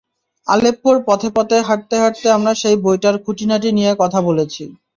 আলেপ্পোর পথে পথে হাঁটতে হাঁটতে আমরা সেই বইটার খুঁটিনাটি নিয়ে কথা বলেছি।